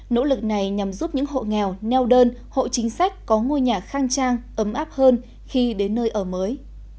nỗ lực này nhằm giúp những hộ nghèo neo đơn hộ chính sách có ngôi nhà khang trang ấm áp hơn khi đến nơi ở mới